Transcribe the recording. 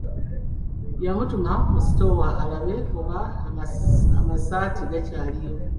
Yamutuma mu sitoowa alabe oba amasaati gakyaliyo.